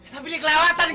tapi ini kelewatan kak